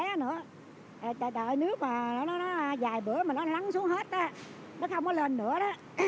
nó không có lên nữa đợi nước mà nó dài bữa mà nó lắng xuống hết á nó không có lên nữa đó